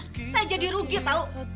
saya jadi rugi tau